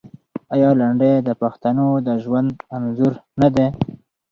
آیا لنډۍ د پښتنو د ژوند انځور نه دی؟